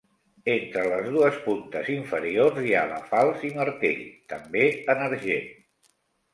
Entre les dues puntes inferiors hi ha la falç i martell, també en argent.